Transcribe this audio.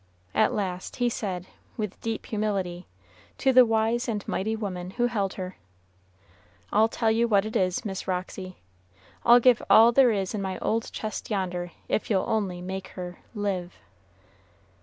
At last he said, with deep humility, to the wise and mighty woman who held her, "I'll tell you what it is, Miss Roxy, I'll give all there is in my old chest yonder if you'll only make her live."